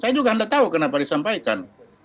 saya juga anda tahu kenapa disampaikan